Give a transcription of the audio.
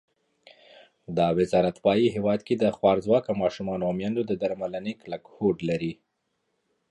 The building remained empty for more than two decades.